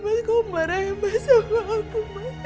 mas kau marah ya sama aku